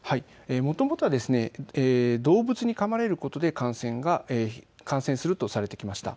もともとは動物にかまれることで感染するとされてきました。